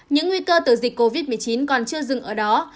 những nguy cơ từ dịch covid một mươi chín còn chưa dừng ở đó